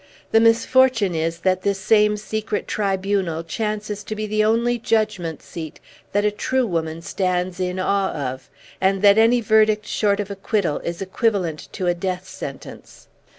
The misfortune is, that this same secret tribunal chances to be the only judgment seat that a true woman stands in awe of, and that any verdict short of acquittal is equivalent to a death sentence!"